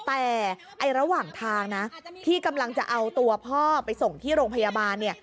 แต่ระหว่างทางนะที่กำลังจะเอาตัวพ่อไปส่งที่โรงพยาบาลเนี่ย